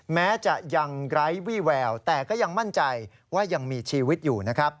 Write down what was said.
แม้จะยังไร้วี่แววแต่ก็ยังมั่นใจว่ายังมีชีวิตอยู่นะครับ